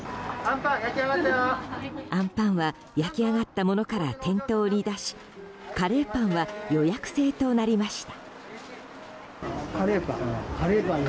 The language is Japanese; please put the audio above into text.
あんぱんは焼きあがったものから店頭に出し、カレーパンは予約制となりました。